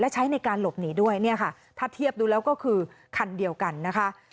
ใช้ในการหลบหนีด้วยเนี่ยค่ะถ้าเทียบดูแล้วก็คือคันเดียวกันนะคะ